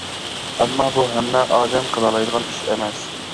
ئەمما، بۇ ھەممە ئادەم قىلالايدىغان ئىش ئەمەس.